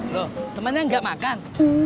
lo temannya engga makan